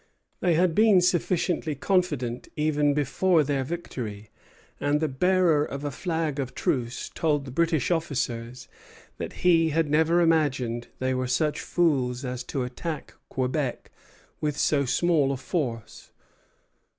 They had been sufficiently confident even before their victory; and the bearer of a flag of truce told the English officers that he had never imagined they were such fools as to attack Quebec with so small a force.